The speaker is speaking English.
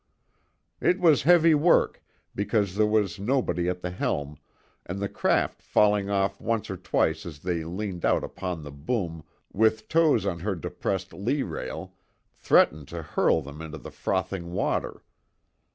It was heavy work, because there was nobody at the helm, and the craft falling off once or twice as they leaned out upon the boom with toes on her depressed lee rail, threatened to hurl them into the frothing water.